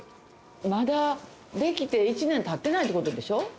まだできて１年たってないってことでしょ？